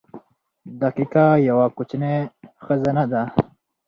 • دقیقه یوه کوچنۍ خزانه ده.